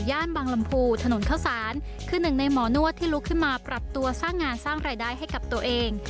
บางลำพูถนนเข้าสารคือหนึ่งในหมอนวดที่ลุกขึ้นมาปรับตัวสร้างงานสร้างรายได้ให้กับตัวเอง